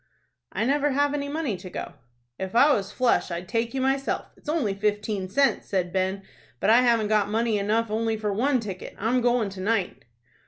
"I never have any money to go." "If I was flush I'd take you myself. It's only fifteen cents," said Ben. "But I haven't got money enough only for one ticket. I'm goin' to night."